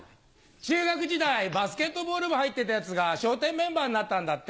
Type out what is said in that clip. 中学時代、バスケットボール部入ってたやつが笑点メンバーになったんだって。